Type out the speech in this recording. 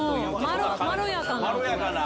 まろやかな。